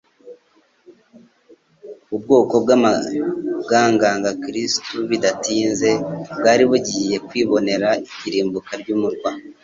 Ubwoko bwangaga Kristo bidatinze bwari bugiye kwibonera irimbuka ry'umurwa